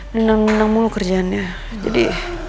nenang nenang mulu kerjaannya jadi